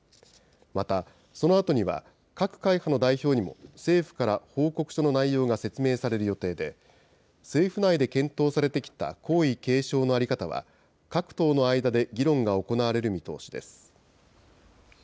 またそのあとには、各会派の代表にも政府から報告書の内容が説明される予定で、政府内で検討されてきた皇位継承の在り方は、各党の間で議論が行われる見通しです。